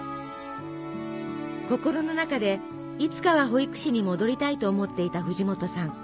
心の中でいつかは保育士に戻りたいと思っていた藤本さん。